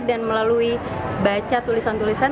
dan melalui baca tulisan tulisan